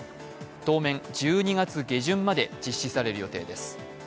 当面１２月下旬まで実施される予定です。